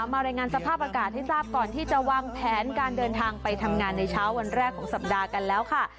รายงานสภาพอากาศให้ทราบก่อนที่จะวางแผนการเดินทางไปทำงานในเช้าวันแรกของสัปดาห์กันแล้วค่ะ